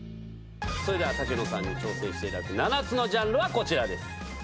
竹野さんに挑戦していただく７つのジャンルはこちらです。